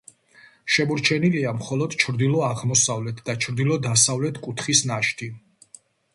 შემორჩენილია მხოლოდ ჩრდილო-აღმოსავლეთ და ჩრდილო-დასავლეთ კუთხის ნაშთი.